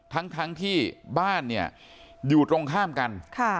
ทั้งที่บ้านเนี่ยอยู่ตรงข้ามกัน